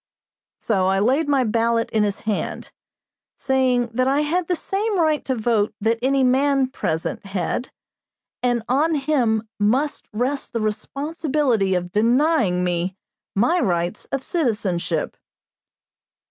So I laid my ballot in his hand, saying that I had the same right to vote that any man present had, and on him must rest the responsibility of denying me my rights of citizenship.